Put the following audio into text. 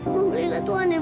mama lila tuh aneh banget ya